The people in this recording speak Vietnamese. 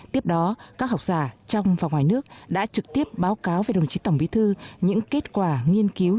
tiếp đó các học giả trong và ngoài nước đã trực tiếp báo cáo về đồng chí tổng bí thư những kết quả nghiên cứu